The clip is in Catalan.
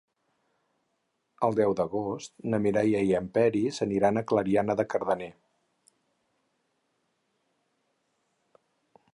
El deu d'agost na Mireia i en Peris aniran a Clariana de Cardener.